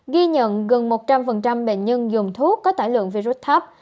ghi nhận gần một trăm linh bệnh nhân dùng thuốc có tải lượng virus thấp